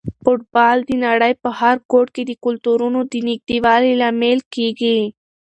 فوټبال د نړۍ په هر ګوټ کې د کلتورونو د نږدېوالي لامل کیږي.